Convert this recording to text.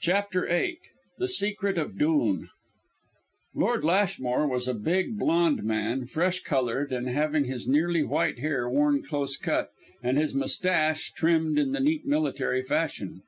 CHAPTER VIII THE SECRET OF DHOON Lord Lashmore was a big, blonde man, fresh coloured, and having his nearly white hair worn close cut and his moustache trimmed in the neat military fashion.